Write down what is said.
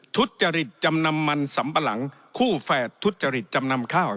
ทุจริตจำนำมันสำปะหลังคู่แฝดทุจริตจำนำข้าว